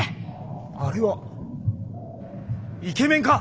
あれはイケメンか！